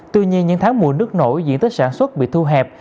tuy nhiên những tháng mùa nước nổi diện tích sản xuất bị thu hẹp